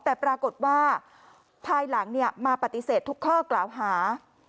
แต่ปรากฏว่าภายหลังมาปฏิเสธทุกข้อกล่าวหา